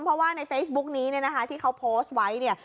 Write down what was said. เพราะว่าในเฟซบุ๊กนี้เนี่ยนะคะที่เขาโพสต์ไว้เนี่ย